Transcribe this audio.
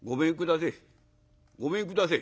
「ごめんくだせえ。